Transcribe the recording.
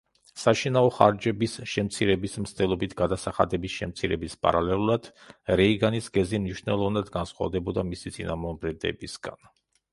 საშინაო ხარჯების შემცირების მცდელობით გადასახადების შემცირების პარალელურად, რეიგანის გეზი მნიშვნელოვნად განსხვავდებოდა მისი წინამორბედებისგან.